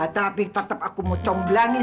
tapi tetap aku mau comblangi